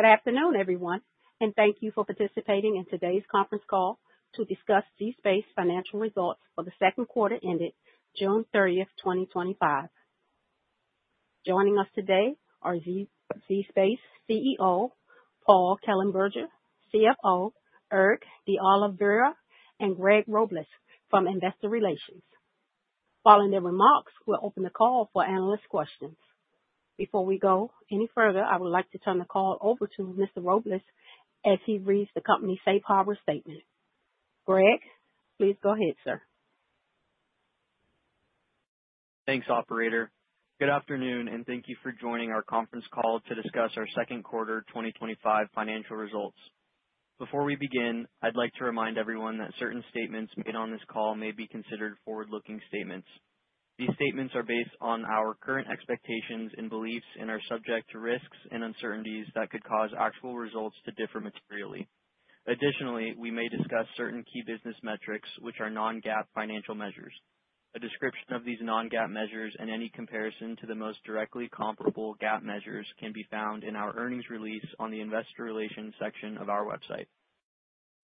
Good afternoon, everyone, and thank you for participating in today's conference call to discuss zSpace's financial results for the second quarter ending June 30th, 2025. Joining us today are zSpace CEO Paul Kellenberger, CFO Erick DeOliveira, and Greg Robles from Investor Relations. Following their remarks, we'll open the call for analyst questions. Before we go any further, I would like to turn the call over to Mr. Robles as he reads the company's safe harbor statement. Greg, please go ahead, sir. Thanks, operator. Good afternoon, and thank you for joining our conference call to discuss our second quarter 2025 financial results. Before we begin, I'd like to remind everyone that certain statements made on this call may be considered forward-looking statements. These statements are based on our current expectations and beliefs and are subject to risks and uncertainties that could cause actual results to differ materially. Additionally, we may discuss certain key business metrics, which are non-GAAP financial measures. A description of these non-GAAP measures and any comparison to the most directly comparable GAAP measures can be found in our earnings release on the investor relations section of our website.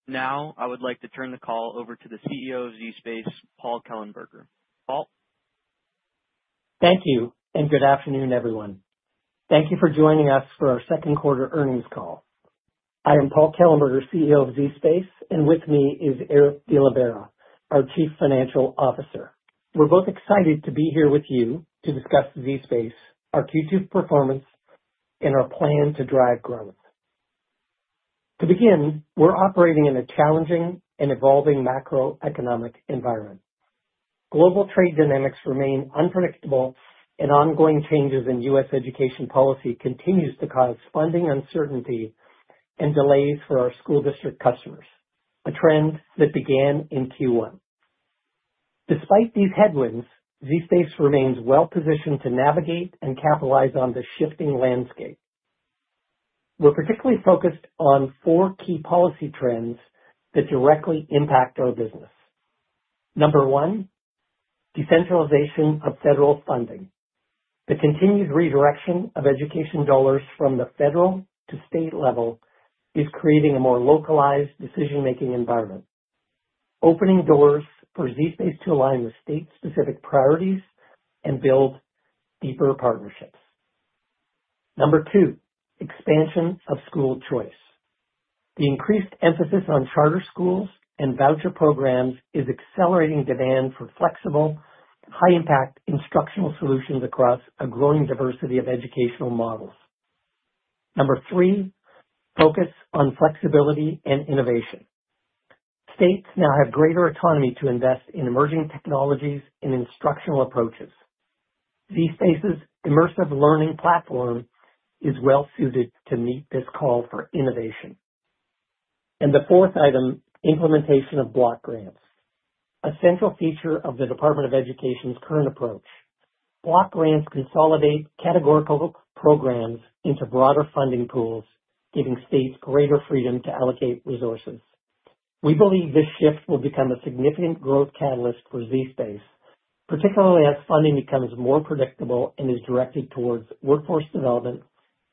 Now, I would like to turn the call over to the CEO of zSpace, Paul Kellenberger. Paul? Thank you, and good afternoon, everyone. Thank you for joining us for our second quarter earnings call. I am Paul Kellenberger, CEO of zSpace, and with me is Erick DeOliveira, our Chief Financial Officer. We're both excited to be here with you to discuss zSpace, our Q2 performance, and our plan to drive growth. To begin, we're operating in a challenging and evolving macroeconomic environment. Global trade dynamics remain unpredictable, and ongoing changes in U.S. education policy continue to cause funding uncertainty and delays for our school district customers, a trend that began in Q1. Despite these headwinds, zSpace remains well-positioned to navigate and capitalize on this shifting landscape. We're particularly focused on four key policy trends that directly impact our business. Number one, decentralization of federal funding. The continued redirection of education dollars from the federal to state level is creating a more localized decision-making environment, opening doors for zSpace to align with state-specific priorities and build deeper partnerships. Number two, expansion of school choice. The increased emphasis on charter schools and voucher programs is accelerating demand for flexible, high-impact instructional solutions across a growing diversity of educational models. Number three, focus on flexibility and innovation. States now have greater autonomy to invest in emerging technologies and instructional approaches. zSpace's immersive learning platform is well-suited to meet this call for innovation. The fourth item, implementation of block grants, a central feature of the Department of Education's current approach. Block grants consolidate categorical programs into broader funding pools, giving states greater freedom to allocate resources. We believe this shift will become a significant growth catalyst for zSpace, particularly as funding becomes more predictable and is directed towards workforce development,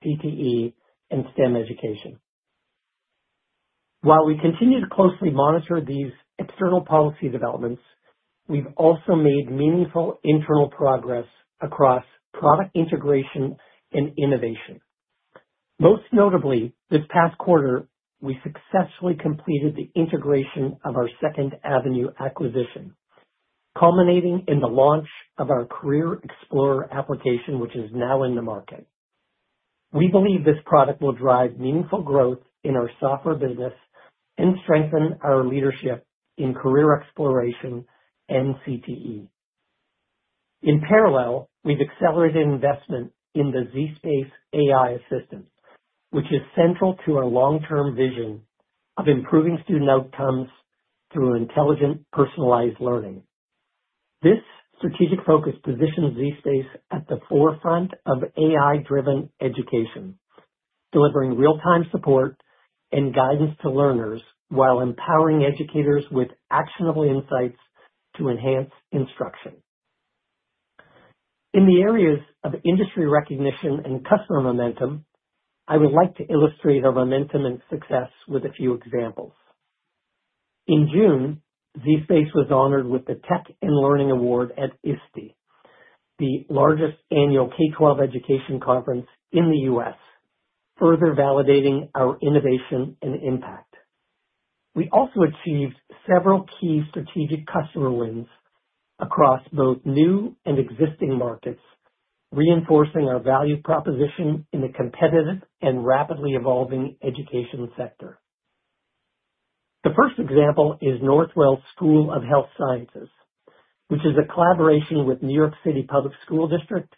PPE, and STEM education. While we continue to closely monitor these external policy developments, we've also made meaningful internal progress across product integration and innovation. Most notably, this past quarter, we successfully completed the integration of our Second Avenue acquisition, culminating in the launch of our Career Explorer application, which is now in the market. We believe this product will drive meaningful growth in our software business and strengthen our leadership in career exploration and CTE. In parallel, we've accelerated investment in the zSpace AI Assistant, which is central to our long-term vision of improving student outcomes through intelligent personalized learning. This strategic focus positions zSpace at the forefront of AI-driven education, delivering real-time support and guidance to learners while empowering educators with actionable insights to enhance instruction. In the areas of industry recognition and customer momentum, I would like to illustrate our momentum and success with a few examples. In June, zSpace was honored with the Tech & Learning Award at ISTE, the largest annual K-12 education conference in the U.S., further validating our innovation and impact. We also achieved several key strategic customer wins across both new and existing markets, reinforcing our value proposition in the competitive and rapidly evolving education sector. The first example is Northwell School of Health Sciences, which is a collaboration with New York City Public School District,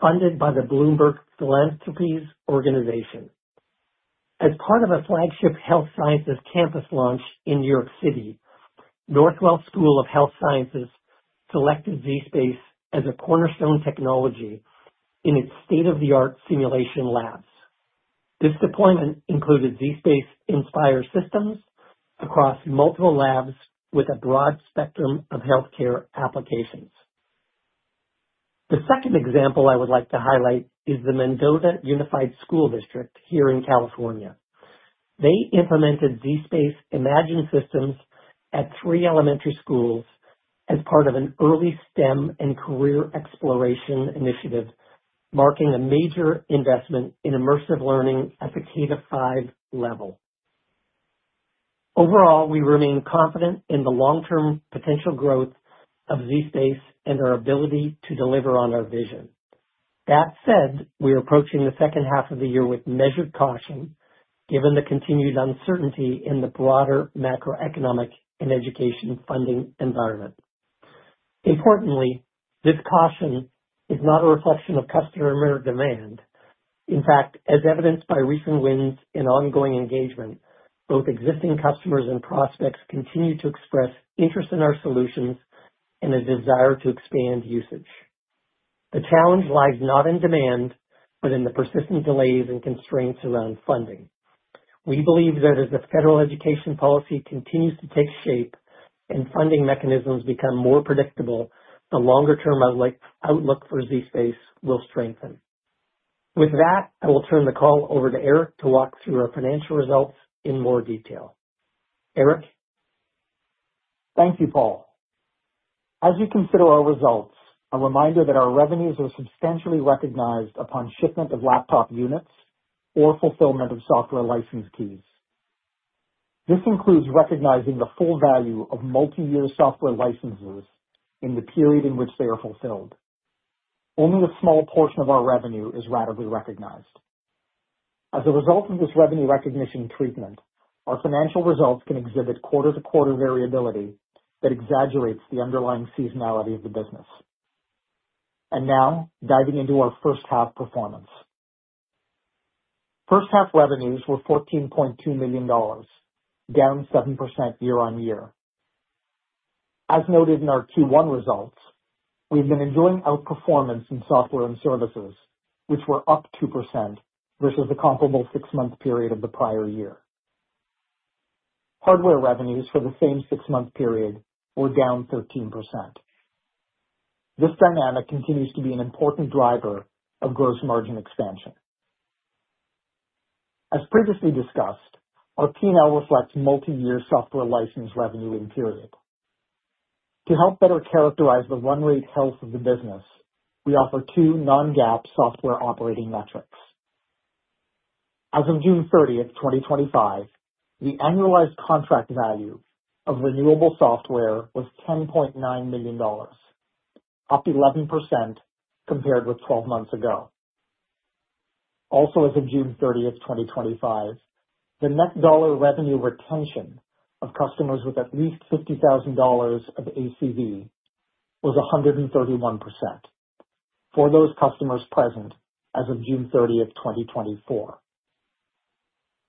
funded by the Bloomberg Philanthropies organization. As part of a flagship health sciences campus launch in New York City, Northwell School of Health Sciences selected zSpace as a cornerstone technology in its state-of-the-art simulation labs. This deployment included zSpace Inspire systems across multiple labs with a broad spectrum of healthcare applications. The second example I would like to highlight is the Mendoza Unified School District here in California. They implemented zSpace Imagine systems at three elementary schools as part of an early STEM and career exploration initiative, marking a major investment in immersive learning at the K-5 level. Overall, we remain confident in the long-term potential growth of zSpace and our ability to deliver on our vision. That said, we are approaching the second half of the year with measured caution, given the continued uncertainty in the broader macroeconomic and education funding environment. Importantly, this caution is not a reflection of customer demand. In fact, as evidenced by recent wins and ongoing engagement, both existing customers and prospects continue to express interest in our solutions and a desire to expand usage. The challenge lies not in demand, but in the persistent delays and constraints around funding. We believe that as the federal education policy continues to take shape and funding mechanisms become more predictable, the longer-term outlook for zSpace will strengthen. With that, I will turn the call over to Erick to walk through our financial results in more detail. Erick? Thank you, Paul. As you consider our results, a reminder that our revenues are substantially recognized upon shipment of laptop units or fulfillment of software license keys. This includes recognizing the full value of multi-year software licenses in the period in which they are fulfilled. Only a small portion of our revenue is rapidly recognized. As a result of this revenue recognition treatment, our financial results can exhibit quarter-to-quarter variability that exaggerates the underlying seasonality of the business. Now, diving into our first half performance. First half revenues were $14.2 million, down 7% year-on-year. As noted in our Q1 results, we've been enjoying outperformance in software and services, which were up 2% versus a comparable six-month period of the prior year. Hardware revenues for the same six-month period were down 13%. This dynamic continues to be an important driver of gross margin expansion. As previously discussed, our P&L reflects multi-year software license revenue in period. To help better characterize the run-rate health of the business, we offer two non-GAAP software operating metrics. As of June 30th, 2025, the annualized contract value of renewable software was $10.9 million, up 11% compared with 12 months ago. Also, as of June 30th, 2025, the net dollar revenue retention of customers with at least $50,000 of ACV was 131% for those customers present as of June 30th, 2024.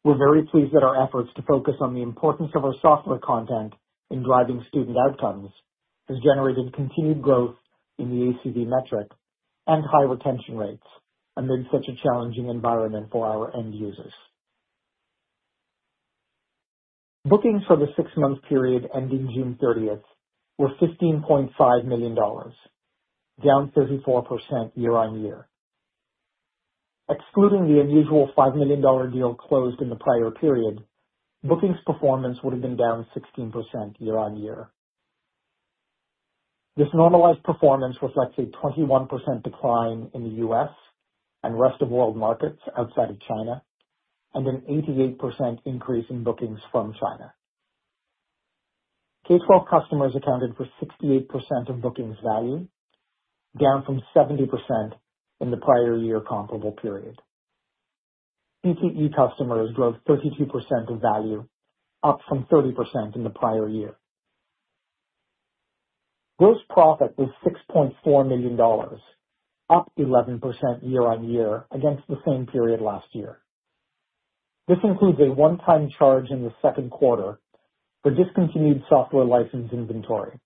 We're very pleased that our efforts to focus on the importance of our software content in driving student outcomes have generated continued growth in the ACV metric and high retention rates, amid such a challenging environment for our end users. Bookings for the six-month period ending June 30th were $15.5 million, down 34% year-on-year. Excluding the unusual $5 million deal closed in the prior period, bookings performance would have been down 16% year-on-year. This normalized performance reflects a 21% decline in the U.S. and rest of the world markets outside of China, and an 88% increase in bookings from China. K-12 customers accounted for 68% of bookings value, down from 70% in the prior year comparable period. PPE customers drove 32% of value, up from 30% in the prior year. Gross profit was $6.4 million, up 11% year-on-year against the same period last year. This includes a one-time charge in the second quarter for discontinued software license inventory,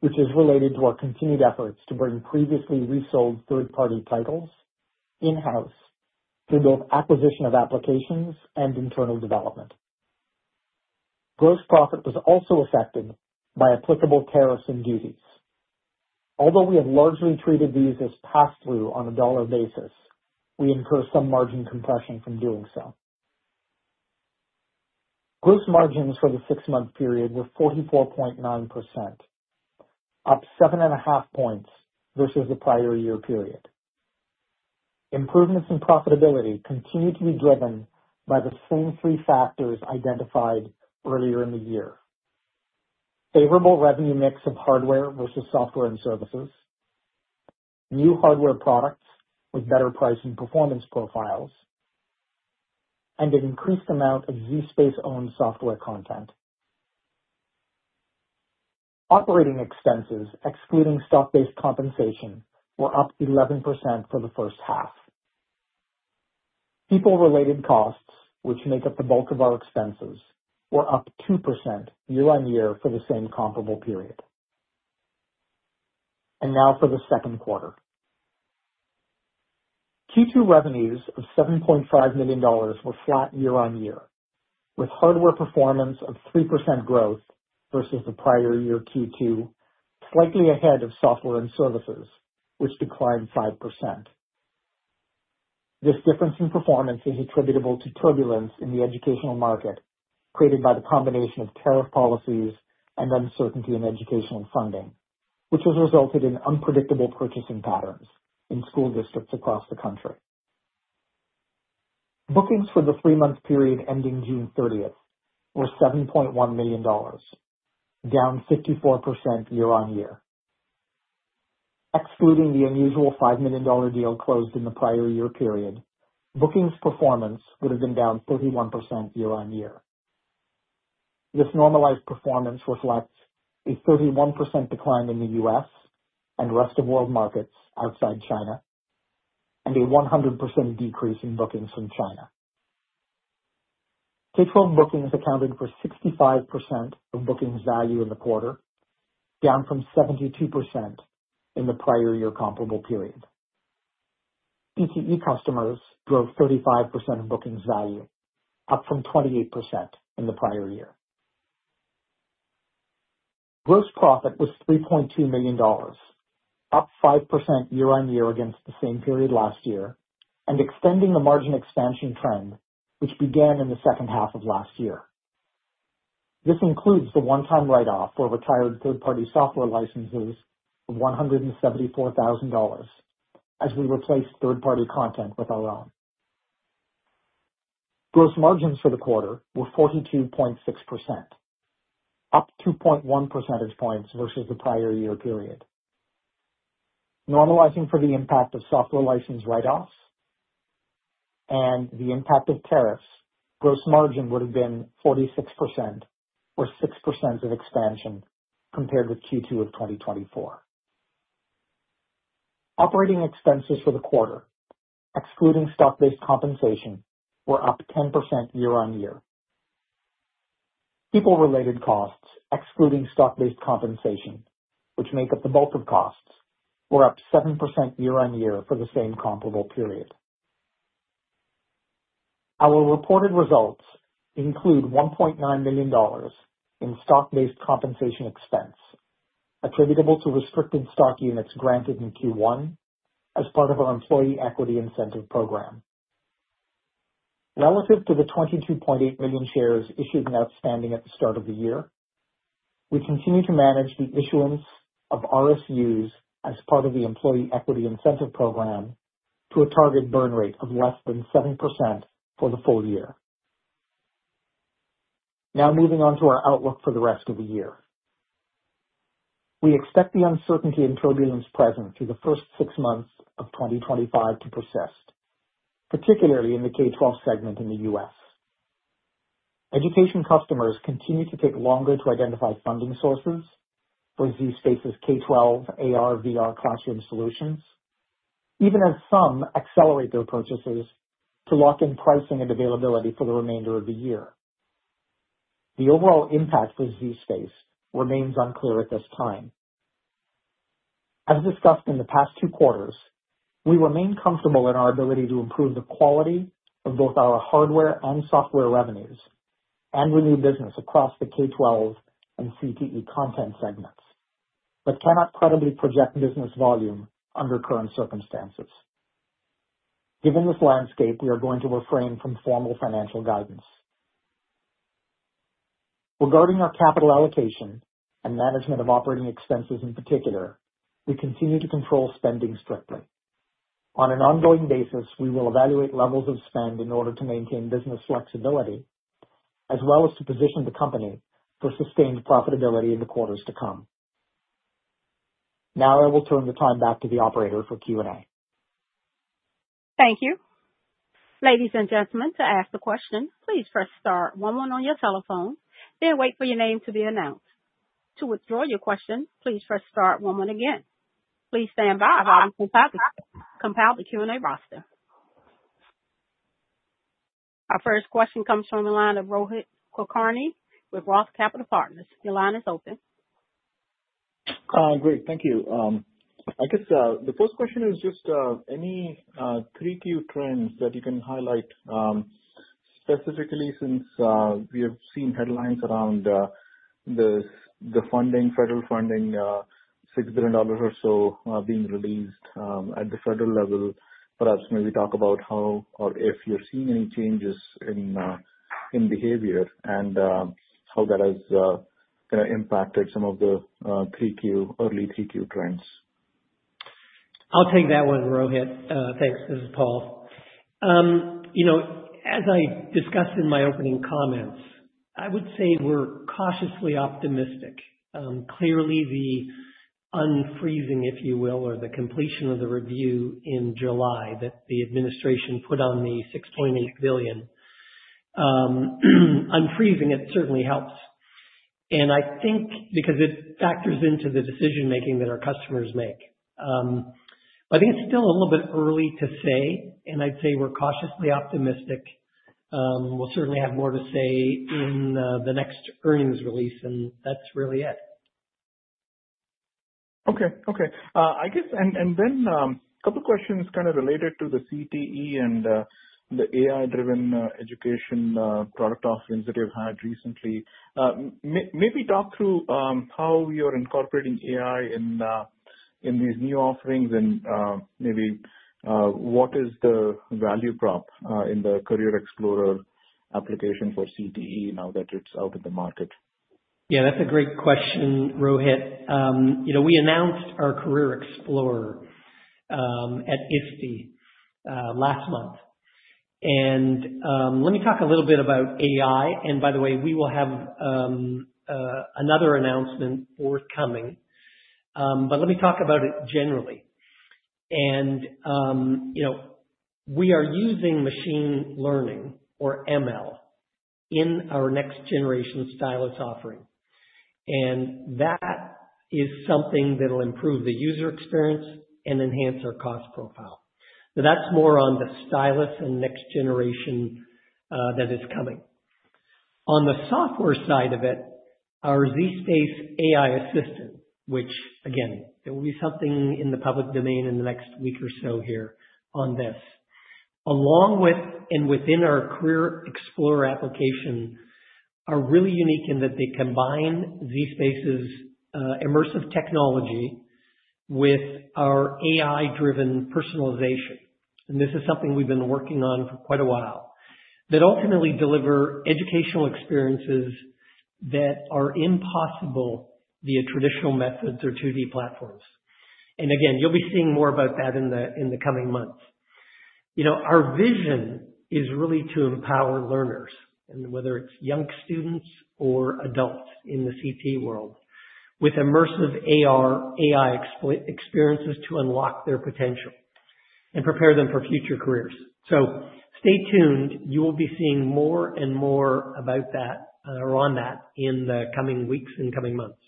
which is related to our continued efforts to bring previously resold third-party titles in-house through both acquisition of applications and internal development. Gross profit was also affected by applicable tariffs and duties. Although we have largely treated these as pass-through on a dollar basis, we incur some margin compression from doing so. Gross margins for the six-month period were 44.9%, up 7.5 points versus the prior year period. Improvements in profitability continue to be driven by the same three factors identified earlier in the year: favorable revenue mix of hardware versus software and services, new hardware products with better price and performance profiles, and an increased amount of zSpace-owned software content. Operating expenses, excluding stock-based compensation, were up 11% for the first half. People-related costs, which make up the bulk of our expenses, were up 2% year-on-year for the same comparable period. For the second quarter, Q2 revenues of $7.5 million were flat year-on-year, with hardware performance of 3% growth versus the prior year Q2, slightly ahead of software and services, which declined 5%. This difference in performance is attributable to turbulence in the educational market, created by the combination of tariff policies and uncertainty in educational funding, which has resulted in unpredictable purchasing patterns in school districts across the country. Bookings for the three-month period ending June 30 were $7.1 million, down 54% year-on-year. Excluding the unusual $5 million deal closed in the prior year period, bookings performance would have been down 31% year-on-year. This normalized performance reflects a 31% decline in the U.S. and rest of the world markets outside China, and a 100% decrease in bookings from China. K-12 bookings accounted for 65% of bookings value in the quarter, down from 72% in the prior year comparable period. PPE customers drove 35% of bookings value, up from 28% in the prior year. Gross profit was $3.2 million, up 5% year-on-year against the same period last year, and extending the margin expansion trend, which began in the second half of last year. This includes the one-time write-off for retired third-party software licenses of $174,000, as we replaced third-party content with our own. Gross margins for the quarter were 42.6%, up 2.1 percentage points versus the prior year period. Normalizing for the impact of software license write-offs and the impact of tariffs, gross margin would have been 46%, or 6% of expansion compared with Q2 of 2024. Operating expenses for the quarter, excluding stock-based compensation, were up 10% year-on-year. People-related costs, excluding stock-based compensation, which make up the bulk of costs, were up 7% year-on-year for the same comparable period. Our reported results include $1.9 million in stock-based compensation expense, attributable to restricted stock units granted in Q1 as part of our employee equity incentive program. Relative to the 22.8 million shares issued and outstanding at the start of the year, we continue to manage the issuance of RSUs as part of the employee equity incentive program to a target burn rate of less than 7% for the full year. Now, moving on to our outlook for the rest of the year. We expect the uncertainty and turbulence present through the first six months of 2025 to persist, particularly in the K-12 segment in the U.S. Education customers continue to take longer to identify funding sources for zSpace's K-12 AR/VR classroom solutions, even as some accelerate their purchases to lock in pricing and availability for the remainder of the year. The overall impact for zSpace remains unclear at this time. As discussed in the past two quarters, we remain comfortable in our ability to improve the quality of both our hardware and software revenues and renew business across the K-12 and CTE content segments, but cannot credibly project business volume under current circumstances. Given this landscape, we are going to refrain from formal financial guidance. Regarding our capital allocation and management of operating expenses in particular, we continue to control spending strictly. On an ongoing basis, we will evaluate levels of spend in order to maintain business flexibility, as well as to position the company for sustained profitability in the quarters to come. Now, I will turn the time back to the operator for Q&A. Thank you. Ladies and gentlemen, to ask a question, please press star one one on your telephone. Then wait for your name to be announced. To withdraw your question, please press star one one again. Please stand by while I compile the Q&A roster. Our first question comes from the line of Rohit Kulkarni with ROTH Capital Partners. Yolanda, it's open. Great. Thank you. I guess the first question is just any three key trends that you can highlight, specifically since we have seen headlines around the funding, federal funding, $6 billion or so being released at the federal level. Perhaps maybe talk about how or if you've seen any changes in behavior and how that has kind of impacted some of the early 3Q trends. I'll take that one, Rohit. Thanks. This is Paul. As I discussed in my opening comments, I would say we're cautiously optimistic. Clearly, the unfreezing, if you will, or the completion of the review in July that the administration put on the $6.8 billion, unfreezing it certainly helps. I think it factors into the decision-making that our customers make. I think it's still a little bit early to say, and I'd say we're cautiously optimistic. We'll certainly have more to say in the next earnings release, and that's really it. Okay. I guess, and then a couple of questions kind of related to the CTE and the AI-driven education product offerings that you've had recently. Maybe talk through how you're incorporating AI in these new offerings, and maybe what is the value prop in the Career Explorer application for CTE now that it's out in the market? Yeah, that's a great question, Rohit. You know, we announced our Career Explorer at ISTE last month. Let me talk a little bit about AI. By the way, we will have another announcement forthcoming. Let me talk about it generally. We are using machine learning, or ML, in our next-generation stylus offering. That is something that will improve the user experience and enhance our cost profile. That's more on the stylus and next generation that is coming. On the software side of it, our zSpace AI Assistant, which, again, there will be something in the public domain in the next week or so here on this, along with and within our Career Explorer application, are really unique in that they combine zSpace's immersive technology with our AI-driven personalization. This is something we've been working on for quite a while that ultimately delivers educational experiences that are impossible via traditional methods or 2D platforms. You'll be seeing more about that in the coming months. Our vision is really to empower learners, and whether it's young students or adults in the CTE world, with immersive AR/AI experiences to unlock their potential and prepare them for future careers. Stay tuned. You will be seeing more and more about that or on that in the coming weeks and coming months.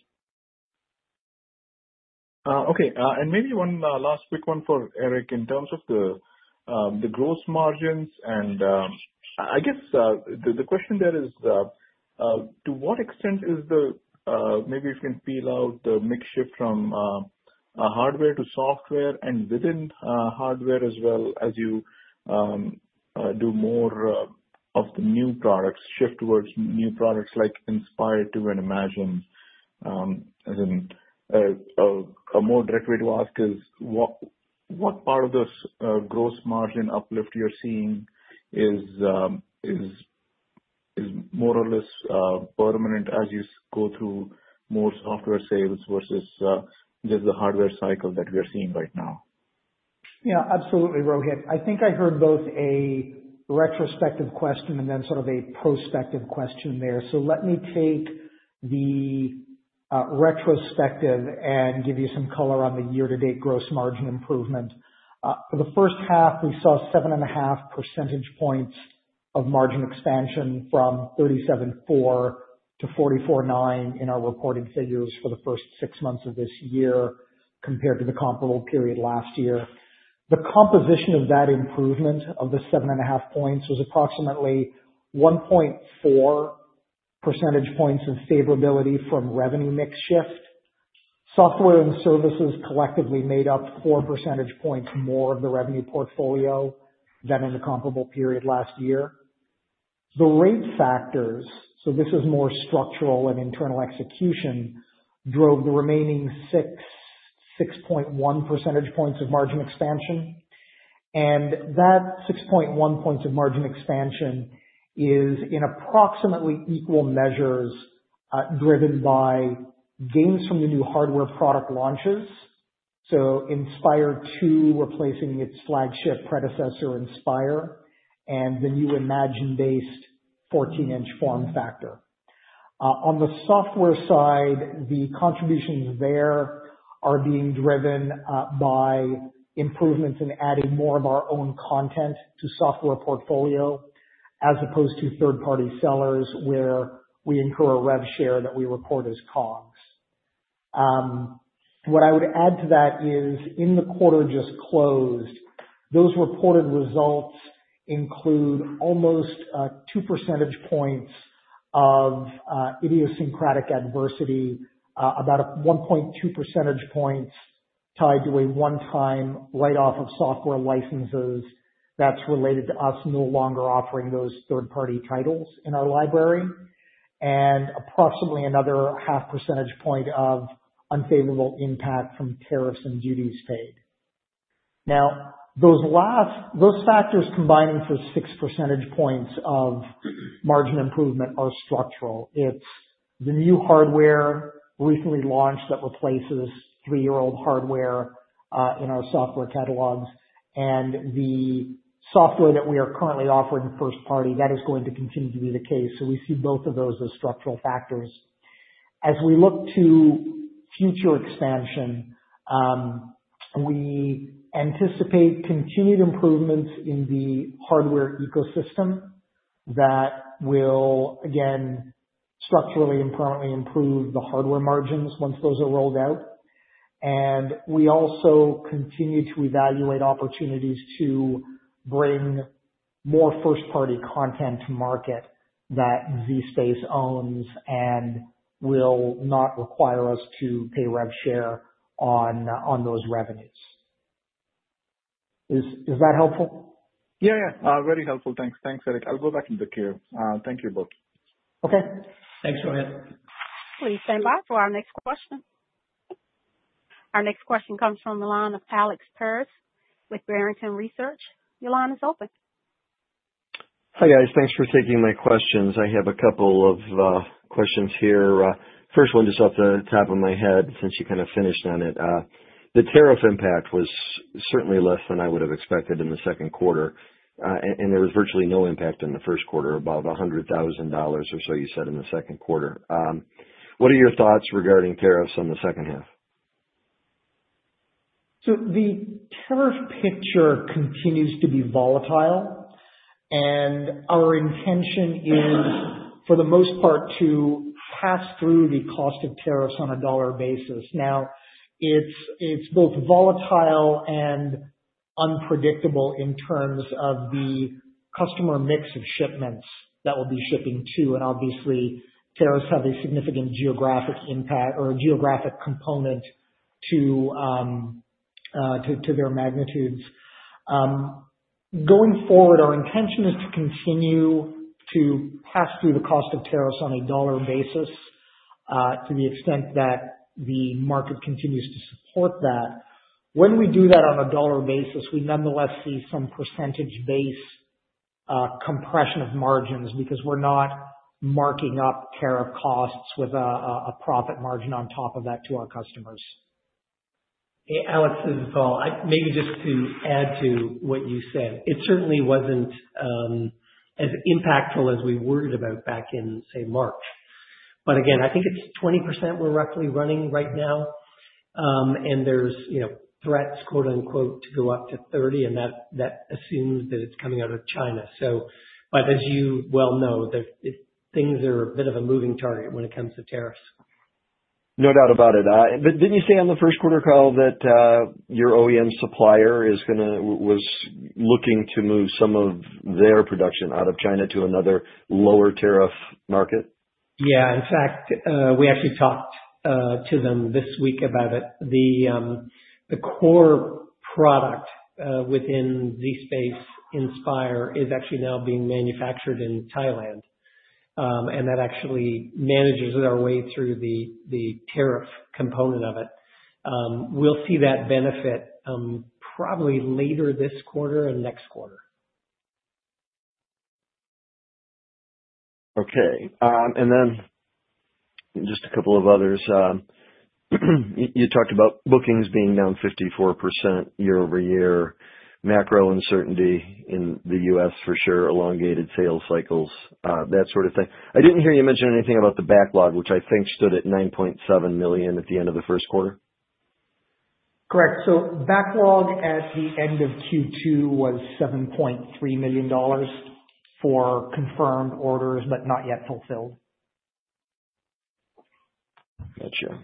Okay. Maybe one last quick one for Erick. In terms of the gross margins, I guess the question there is, to what extent is the, maybe if you can feel out the makeshift from hardware to software and within hardware as well as you do more of the new products, shift towards new products like Inspire 2 and Imagine? As in a more direct way to ask, what part of this gross margin uplift you're seeing is more or less permanent as you go through more software sales versus just the hardware cycle that we are seeing right now? Yeah, absolutely, Rohit. I think I heard both a retrospective question and then sort of a prospective question there. Let me take the retrospective and give you some color on the year-to-date gross margin improvement. For the first half, we saw 7.5 percentage points of margin expansion from 37.4%-44.9% in our reported figures for the first six months of this year compared to the comparable period last year. The composition of that improvement, of the 7.5 points, was approximately 1.4 percentage points of favorability from revenue mix shift. Software and services collectively made up 4 percentage points more of the revenue portfolio than in the comparable period last year. The rate factors, so this is more structural and internal execution, drove the remaining 6.1 percentage points of margin expansion. That 6.1 points of margin expansion is in approximately equal measures driven by gains from the new hardware product launches, so Inspire 2 replacing its flagship predecessor Inspire and the new Imagine-based 14-inch form factor. On the software side, the contributions there are being driven by improvements in adding more of our own content to the software portfolio as opposed to third-party sellers where we incur a rev share that we record as costs. What I would add to that is in the quarter just closed, those reported results include almost 2 percentage points of idiosyncratic adversity, about 1.2 percentage points tied to a one-time write-off of software licenses that's related to us no longer offering those third-party titles in our library, and approximately another half percentage point of unfavorable impact from tariffs and duties paid. Those last factors combining for 6 percentage points of margin improvement are structural. It is the new hardware recently launched that replaces three-year-old hardware in our software catalogs and the software that we are currently offering first-party. That is going to continue to be the case. We see both of those as structural factors. As we look to future expansion, we anticipate continued improvements in the hardware ecosystem that will, again, structurally and permanently improve the hardware margins once those are rolled out. We also continue to evaluate opportunities to bring more first-party content to market that zSpace owns and will not require us to pay rev share on those revenues. Is that helpful? Yeah, very helpful. Thanks, Erick. I'll go back to the queue. Thank you both. Okay, thanks, Rohit. Please stand by for our next question. Our next question comes from the line of Alex Paris with Barrington Research. your line is open. Hi, guys. Thanks for taking my questions. I have a couple of questions here. First one just off the top of my head since you kind of finished on it. The tariff impact was certainly less than I would have expected in the second quarter. There was virtually no impact in the first quarter, about $100,000 or so you said in the second quarter. What are your thoughts regarding tariffs on the second half? The tariff picture continues to be volatile. Our intention is, for the most part, to pass through the cost of tariffs on a dollar basis. It is both volatile and unpredictable in terms of the customer mix of shipments that we will be shipping to. Obviously, tariffs have a significant geographic impact or a geographic component to their magnitudes. Going forward, our intention is to continue to pass through the cost of tariffs on a dollar basis to the extent that the market continues to support that. When we do that on a dollar basis, we nonetheless see some % based compression of margins because we're not marking up tariff costs with a profit margin on top of that to our customers. Hey.Alex, this is Paul. Maybe just to add to what you said, it certainly wasn't as impactful as we worried about back in, say, March. I think it's 20% we're roughly running right now, and there's, you know, "threats," quote-unquote, to go up to 30%. That assumes that it's coming out of China. As you well know, things are a bit of a moving target when it comes to tariffs. No doubt about it. Didn't you say on the first quarter call that your OEM supplier was looking to move some of their production out of China to another lower tariff market? Yeah. In fact, we actually talked to them this week about it. The core product within zSpace Inspire is actually now being manufactured in Thailand. That actually manages their way through the tariff component of it. We'll see that benefit probably later this quarter and next quarter. Okay. Just a couple of others. You talked about bookings being down 54% year-over-year, macro uncertainty in the U.S. for sure, elongated sales cycles, that sort of thing. I didn't hear you mention anything about the backlog, which I think stood at $9.7 million at the end of the first quarter. Correct. Backlog at the end of Q2 was $7.3 million for confirmed orders, but not yet fulfilled. Gotcha.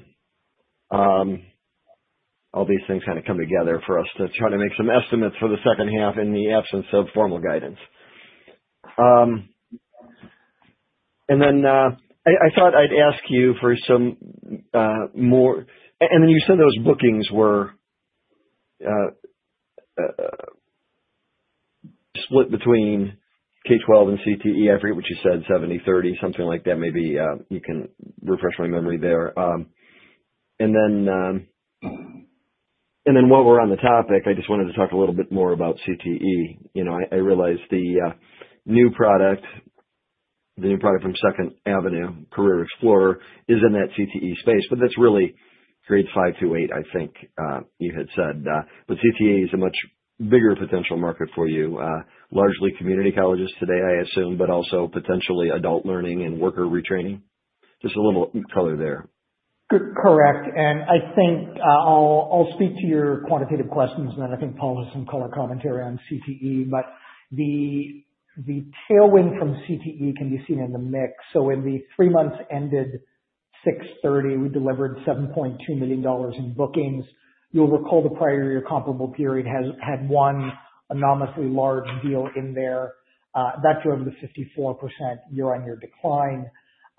All these things kind of come together for us to try to make some estimates for the second half in the absence of formal guidance. I thought I'd ask you for some more. You said those bookings were split between K-12 and CTE. I forget what you said, 70/30, something like that. Maybe you can refresh my memory there. While we're on the topic, I just wanted to talk a little bit more about CTE. I realized the new product, the new product from Second Avenue, Career Explorer is in that CTE space. That's really grades 5 through 8, I think you had said. CTE is a much bigger potential market for you, largely community colleges today, I assume, but also potentially adult learning and worker retraining. Just a little color there. Correct. I think I'll speak to your quantitative questions, and then I think Paul has some color commentary on CTE. The tailwind from CTE can be seen in the mix. When the three months ended 6/30, we delivered $7.2 million in bookings. You'll recall the prior year comparable period had one anomalously large deal in there. That drove the 54% year-on-year decline.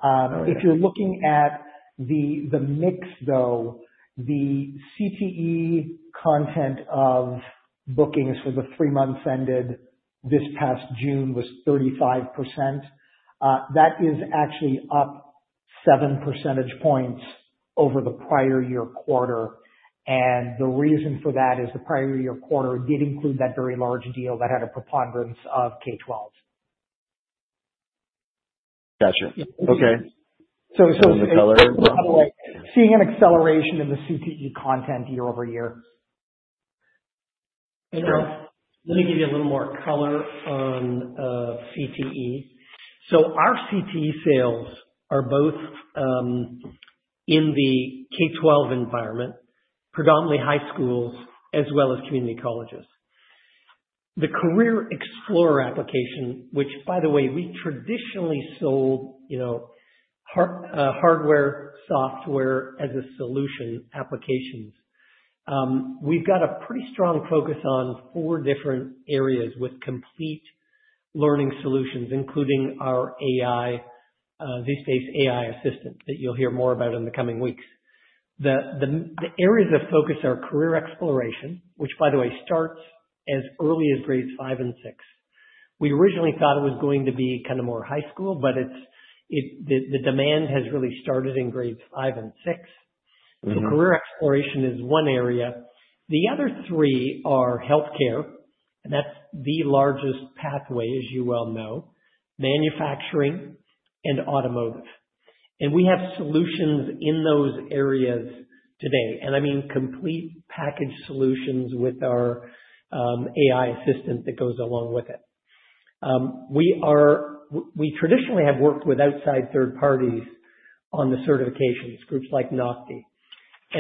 If you're looking at the mix, the CTE content of bookings for the three months ended this past June was 35%. That is actually up 7 percentage points over the prior year quarter. The reason for that is the prior year quarter did include that very large deal that had a preponderance of K-12s. Gotcha. Okay, the color? By the way, seeing an acceleration in the CTE content year-over-year. Erick, let me give you a little more color on CTE. Our CTE sales are both in the K-12 environment, predominantly high school, as well as community colleges. The Career Explorer application, which, by the way, we traditionally sold, you know, hardware, software as a solution applications. We've got a pretty strong focus on four different areas with complete learning solutions, including our AI, zSpace AI Assistant that you'll hear more about in the coming weeks. The areas of focus are career exploration, which, by the way, starts as early as grades 5 and 6. We originally thought it was going to be kind of more high school, but the demand has really started in grades 5 and 6. Career exploration is one area. The other three are healthcare, and that's the largest pathway, as you well know, manufacturing and automotive. We have solutions in those areas today. I mean complete packaged solutions with our AI Assistant that goes along with it. We traditionally have worked with outside third parties on the certifications, groups like NOCTI.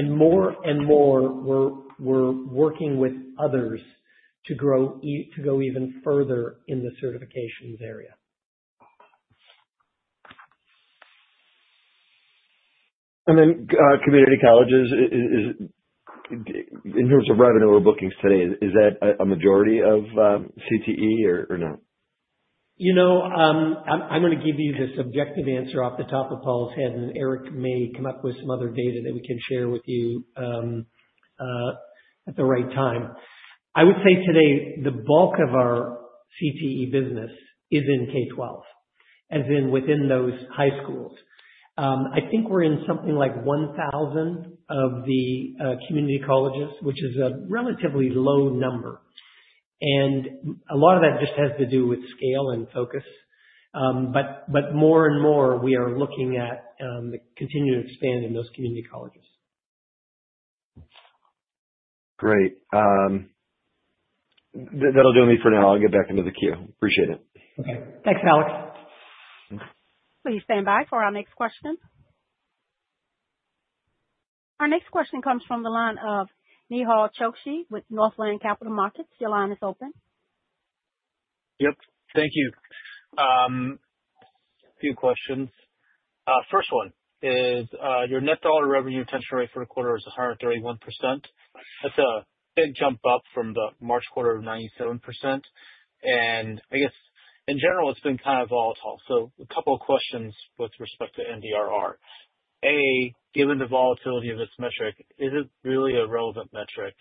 More and more, we're working with others to go even further in the certifications area. Community colleges, in terms of revenue or bookings today, is that a majority of CTE or not? You know. I'm going to give you the subjective answer off the top of Paul's head, and Erick may come up with some other data that we can share with you at the right time. I would say today, the bulk of our CTE business is in K-12, as in within those high schools. I think we're in something like 1,000 of the community colleges, which is a relatively low number. A lot of that just has to do with scale and focus. More and more, we are looking at continuing to expand in those community colleges. Great. That'll do me for now. I'll get back into the queue. Appreciate it. Okay, thanks, Alex. Please stand by for our next question. Our next question comes from Nehal Chokshi with Northland Capital Markets. your line is open. Thank you. A few questions. First one is your net dollar revenue retention rate for the quarter is 131%. That's a big jump up from the March quarter of 97%. I guess, in general, it's been kind of volatile. A couple of questions with respect to net dollar revenue retention. A, given the volatility of this metric, is it really a relevant metric?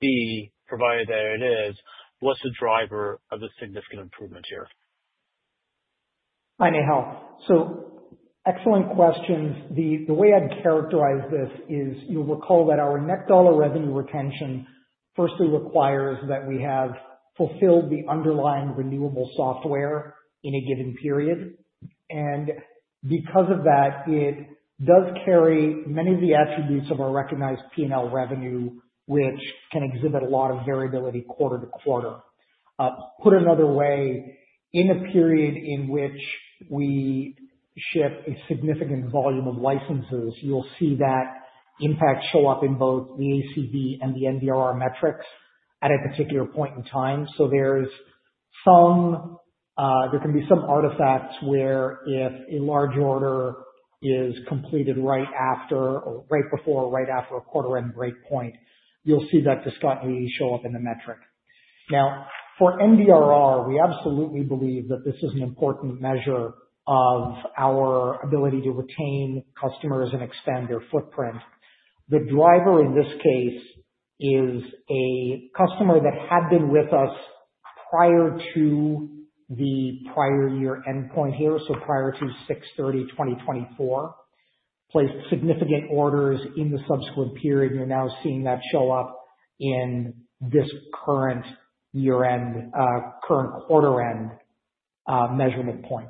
B, provided that it is, what's the driver of the significant improvement here? Hi, Nehal. Excellent questions. The way I'd characterize this is you'll recall that our net dollar revenue retention firstly requires that we have fulfilled the underlying renewable software in a given period. Because of that, it does carry many of the attributes of our recognized P&L revenue, which can exhibit a lot of variability quarter to quarter. Put another way, in a period in which we ship a significant volume of licenses, you'll see that impact show up in both the ACV and the MDRR metrics at a particular point in time. There can be some artifacts where if a large order is completed right before or right after a quarter-end break point, you'll see that discontinuity show up in the metric. For MDRR, we absolutely believe that this is an important measure of our ability to retain customers and extend their footprint. The driver in this case is a customer that had been with us prior to the prior year endpoint here, so prior to 6/30/2024, placed significant orders in the subsequent period, and you're now seeing that show up in this current year-end, current quarter-end measurement point.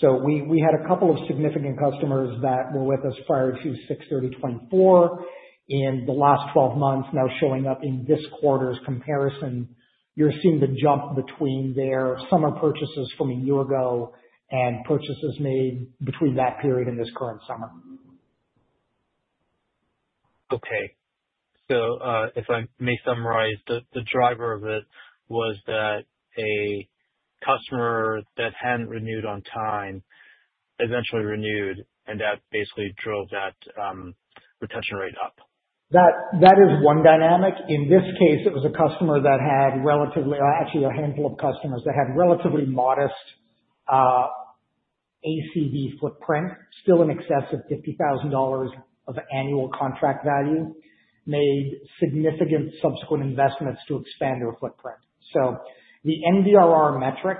We had a couple of significant customers that were with us prior to 6/30/2024. In the last 12 months, now showing up in this quarter's comparison, you're seeing the jump between their summer purchases from a year ago and purchases made between that period and this current summer. Okay. If I may summarize, the driver of it was that a customer that hadn't renewed on time eventually renewed, and that basically drove that retention rate up. That is one dynamic. In this case, it was a customer that had relatively, or actually a handful of customers that had relatively modest ACV footprint, still in excess of $50,000 of annual contract value, made significant subsequent investments to expand their footprint. The MDRR metric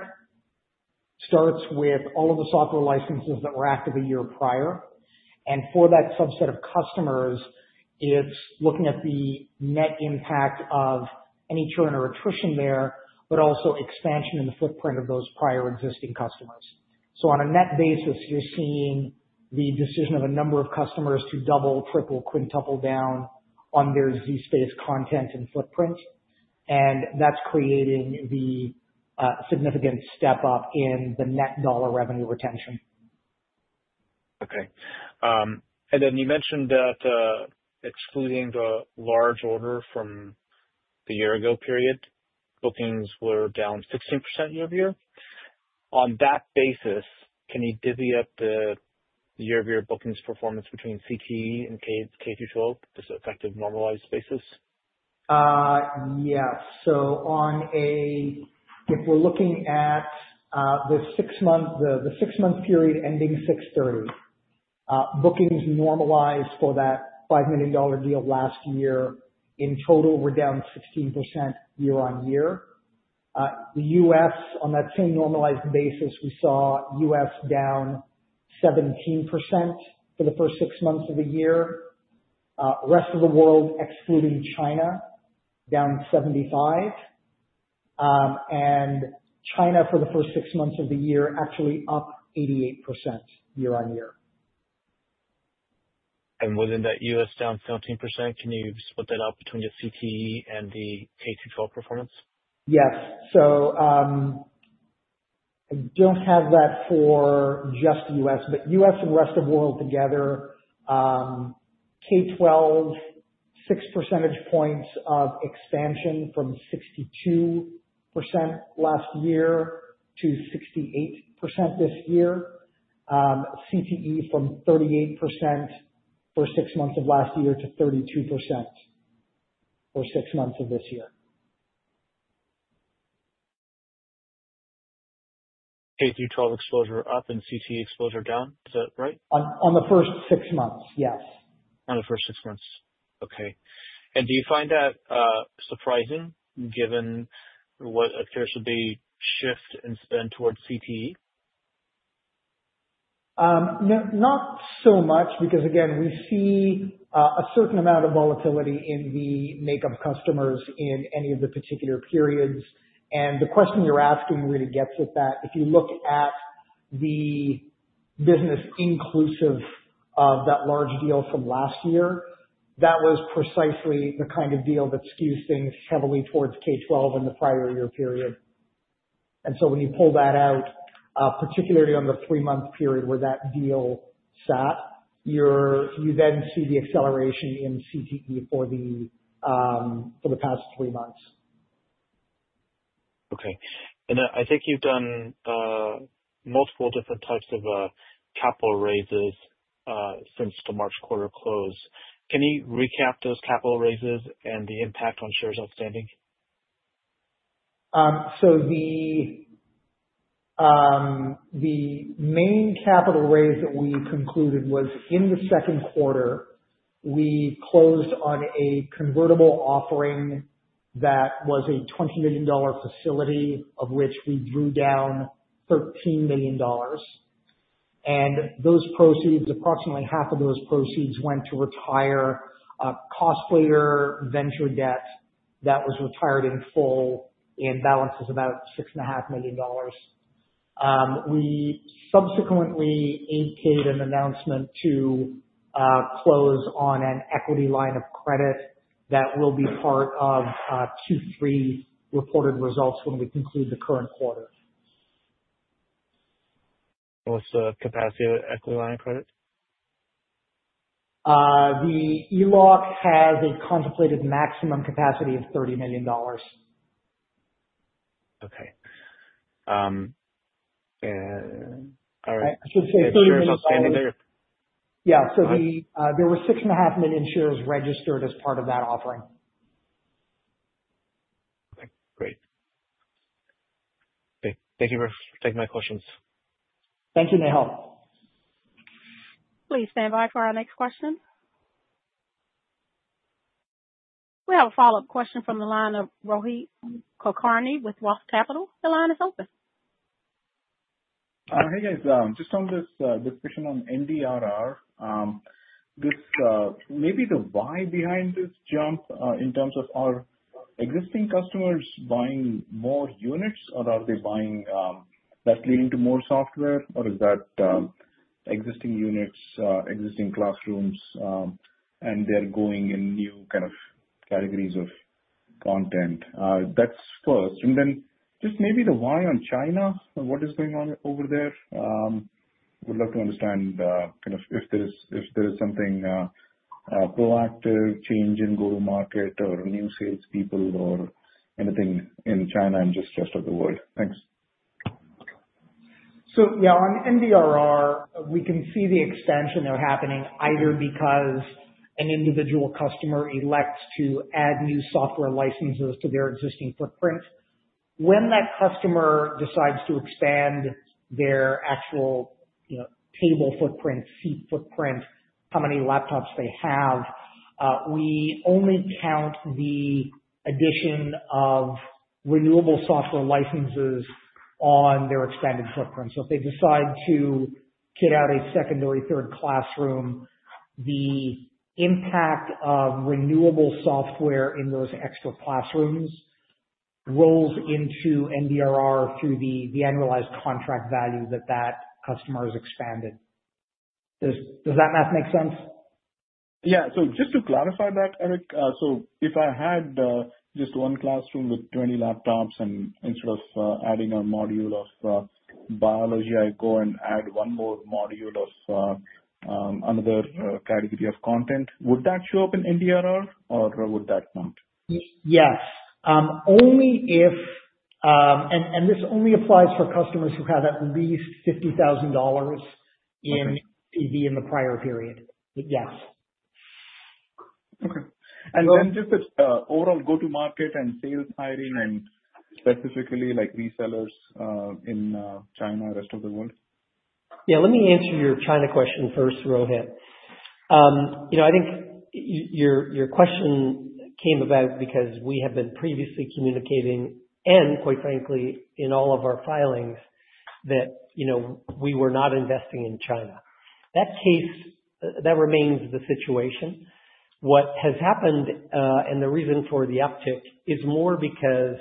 starts with all of the software licenses that were active a year prior. For that subset of customers, it's looking at the net impact of any churn or attrition there, but also expansion in the footprint of those prior existing customers. On a net basis, you're seeing the decision of a number of customers to double, triple, quintuple down on their zSpace content and footprint. That's creating a significant step up in the net dollar revenue retention. Okay. You mentioned that excluding the large order from the year-ago period, bookings were down 16% year-over-year. On that basis, can you divvy up the year-over-year bookings performance between CTE and K-12? This is an effective normalized basis. Yeah. If we're looking at the six-month period ending 6/30, bookings normalized for that $5 million deal last year, in total, we're down 16% year-on-year. The U.S., on that same normalized basis, we saw U.S. down 17% for the first six months of the year. Rest of the world, excluding China, down 75%. China for the first six months of the year actually up 88% year-on-year. Within that U.S. down 17%, can you split that up between the CTE and the K-12 performance? Yes. I don't have that for just the U.S., but U.S. and rest of the world together, K-12 6% points of expansion from 62% last year to 68% this year. CTE from 38% for six months of last year to 32% for six months of this year. K-12 exposure up and CTE exposure down. Is that right? On the first six months, yes. On the first six months. Okay. Do you find that surprising given what appears to be a shift in spend towards CTE? Not so much because, again, we see a certain amount of volatility in the makeup of customers in any of the particular periods. The question you're asking really gets at that. If you look at the business inclusive of that large deal from last year, that was precisely the kind of deal that skews things heavily towards K-12 in the prior year period. When you pull that out, particularly on the three-month period where that deal sat, you then see the acceleration in CTE for the past three months. Okay. I think you've done multiple different types of capital raises since the March quarter close. Can you recap those capital raises and the impact on shares outstanding? The main capital raise that we concluded was in the second quarter. We closed on a convertible offering that was a $20 million facility, of which we drew down $13 million. Those proceeds, approximately half of those proceeds, went to retire cost-player venture debt that was retired in full and balances about $6.5 million. We subsequently indicated an announcement to close on an equity line of credit that will be part of Q3 reported results when we conclude the current quarter. What's the capacity of the equity line of credit? The ELOC has a contemplated maximum capacity of $30 million. Okay. All right. To say $30 million. Is that still standing there? Yeah, there were 6.5 million shares registered as part of that offering. Great. Okay. Thank you for taking my questions. Thank you, Nehal. Please stand by for our next question. We have a follow-up question from the line of Rohit Kulkarni with ROTH Capital. Your line is open. Hey, guys. Just on this discussion on MDRR, maybe the why behind this jump in terms of our existing customers buying more units, or are they buying that leading to more software, or is that existing units, existing classrooms, and they're going in new kind of categories of content? That's first. Just maybe the why on China and what is going on over there. I would love to understand if there is something proactive change in go-to-market or new salespeople or anything in China and just the rest of the world. Thanks. Yeah, on MDRR, we can see the expansion there happening either because an individual customer elects to add new software licenses to their existing footprint. When that customer decides to expand their actual, you know, table footprint, seat footprint, how many laptops they have, we only count the addition of renewable software licenses on their expanded footprint. If they decide to kit out a secondary third classroom, the impact of renewable software in those extra classrooms rolls into MDRR through the annualized contract value that that customer has expanded. Does that math make sense? Yeah. Just to clarify that, Erick, if I had just one classroom with 20 laptops, and instead of adding a module of biology, I go and add one more module of another category of content, would that show up in MDRR, or would that count? Yes. Only if, and this only applies for customers who've had at least $50,000 in AV in the prior period. Yes. Okay. Just this overall go-to-market and sales hiring, specifically like resellers in China and the rest of the world. Yeah, let me answer your China question first, Rohit. I think your question came about because we have been previously communicating, and quite frankly, in all of our filings, that we were not investing in China. That remains the situation. What has happened, and the reason for the uptick, is more because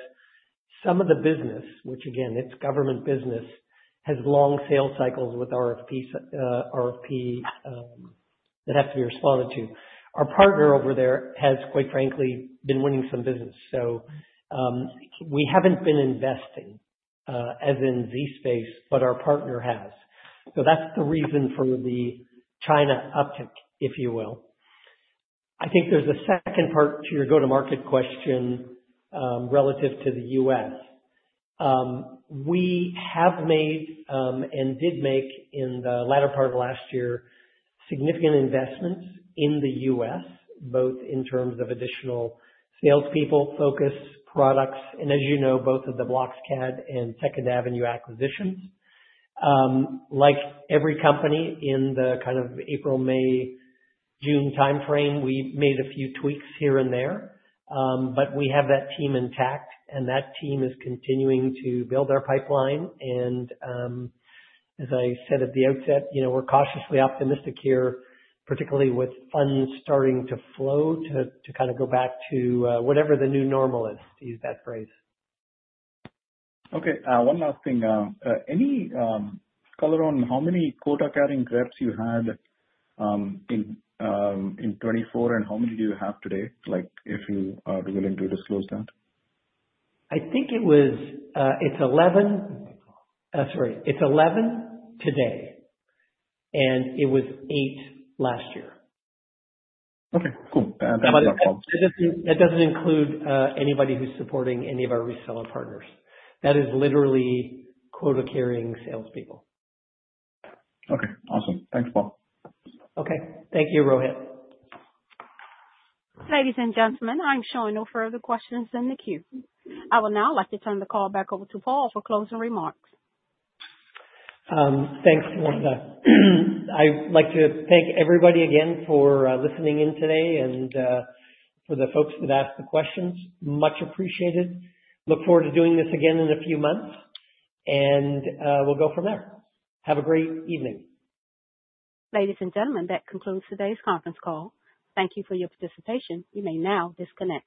some of the business, which again, it's government business, has long sales cycles with RFP that have to be responded to. Our partner over there has quite frankly been winning some business. We haven't been investing, as in zSpace, but our partner has. That's the reason for the China uptick, if you will. I think there's a second part to your go-to-market question relative to the U.S. We have made and did make in the latter part of last year significant investments in the U.S., both in terms of additional salespeople, focus, products, and as you know, both of the BlocksCAD and Second Avenue acquisitions. Like every company in the kind of April, May, June timeframe, we made a few tweaks here and there. We have that team intact, and that team is continuing to build our pipeline. As I said at the outset, we're cautiously optimistic here, particularly with funds starting to flow to kind of go back to whatever the new normal is, to use that phrase. Okay. One last thing. Any color on how many quota-carrying reps you had in 2024, and how many do you have today? Like if you are willing to disclose that. I think it was 11. Sorry, it's 11 today and it was 8 last year. Okay. Cool. That doesn't include anybody who's supporting any of our reseller partners. That is literally quota-carrying salespeople. Okay. Awesome. Thanks, Paul. Okay, thank you, Rohit. Ladies and gentlemen, I'm showing no further questions in the queue. I will now like to turn the call back over to Paul for closing remarks. Thanks, operator. I'd like to thank everybody again for listening in today and for the folks that asked the questions. Much appreciated. Look forward to doing this again in a few months. We'll go from there. Have a great evening. Ladies and gentlemen, that concludes today's conference call. Thank you for your participation. You may now disconnect.